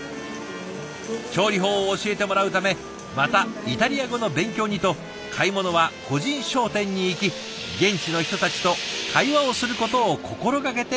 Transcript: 調理法を教えてもらうためまたイタリア語の勉強にと買い物は個人商店に行き現地の人たちと会話をすることを心がけているそうです。